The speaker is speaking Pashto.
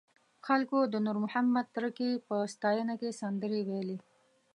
خلکو د نور محمد تره کي په ستاینه کې سندرې ویلې.